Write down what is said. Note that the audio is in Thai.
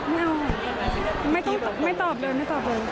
ไม่เอาไม่ตอบเลยไม่ตอบเลย